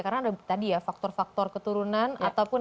karena ada tadi ya faktor faktor keturunan